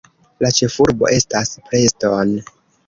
La ĉefurbo estas Preston.